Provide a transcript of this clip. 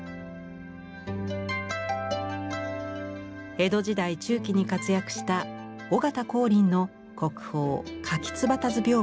江戸時代中期に活躍した尾形光琳の国宝「燕子花図屏風」です。